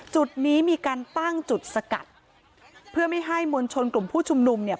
จุดนี้มีการตั้งจุดสกัดเพื่อไม่ให้มวลชนกลุ่มผู้ชุมนุมเนี่ย